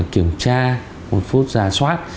kiểm tra một phút ra soát